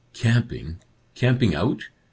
Camping ? Camping out ?